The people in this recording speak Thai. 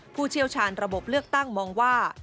ผู้เชี่ยวชาญระบบเลือกตั้งมองว่า